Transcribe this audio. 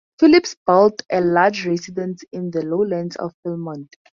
Phillips built a large residence in the lowlands of Philmont.